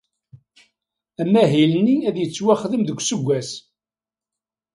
Amahil-nni ad yettwaxdem deg useggas.